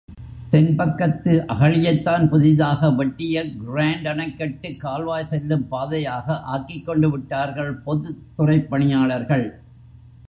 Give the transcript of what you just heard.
தென்பக்கத்து அகழியைத்தான் புதிதாக வெட்டிய கிராண்ட் அணைக்கட்டு கால்வாய் செல்லும் பாதையாக ஆக்கிக் கொண்டு விட்டார்கள் பொதுத்துறைப் பணியாளர்கள்.